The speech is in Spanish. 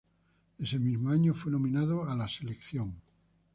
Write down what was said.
Ese mismo año fue nominado a la Selección.